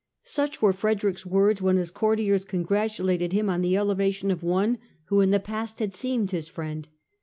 Such were Frederick's words when his courtiers con gratulated him on the elevation of one who in the past had seemed his friend.